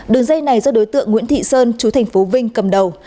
đường dây này do đối tượng nguyễn thị sơn chú thành phố vinh cầm đầu